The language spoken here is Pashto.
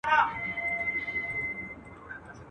پر څه دي سترګي سرې دي ساحل نه دی لا راغلی.